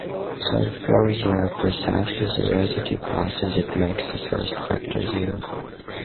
Therefore they are precisely the residue classes that make the first factor zero.